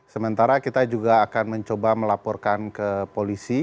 sementara kita juga akan mencoba melaporkan ke polisi